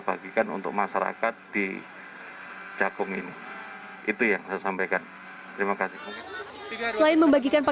bagikan untuk masyarakat di cakung ini itu yang saya sampaikan terima kasih selain membagikan